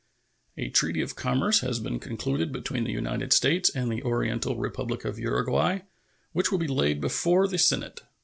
A treaty of commerce has been concluded between the United States and the Oriental Republic of Uruguay, which will be laid before the Senate.